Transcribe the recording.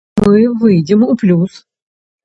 Мы выйдзем у плюс.